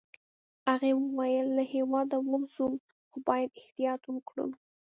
هغې وویل: له هیواده ووزو، خو باید احتیاط وکړو.